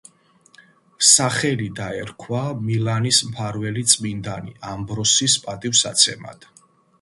სახელი დაერქვა მილანის მფარველი წმინდანი ამბროსის პატივსაცემად.